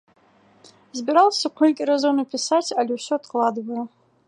Збіралася колькі разоў напісаць, але ўсё адкладваю.